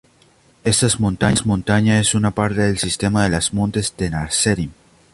Estas montaña es una parte del sistema de las Montes Tenasserim.